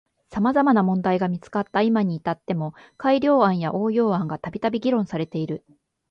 様々な問題点が見つかった今に至っても改良案や応用案がたびたび議論されている。